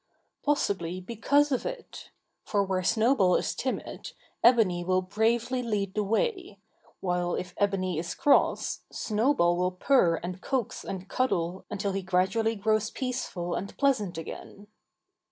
Possibly because of it! for where Snowball is timid, Ebony will bravely lead the way; while if Ebony is cross, Snowball will purr and coax and cuddle until he gradually grows peaceful and pleasant again.